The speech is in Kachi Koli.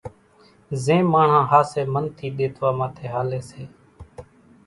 زين ماڻۿان ۿاسي من ٿي ۮيتوا ماٿي ھالي سي